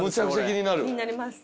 気になります。